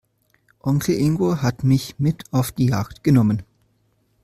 Onkel Ingo hat mich mit auf die Jagd genommen.